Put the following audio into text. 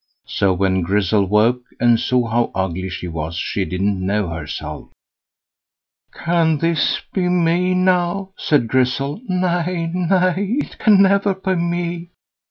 So, when Grizzel woke and saw how ugly she was, she didn't know herself. "Can this be me now?" said Grizzel. "Nay, nay! it can never be me.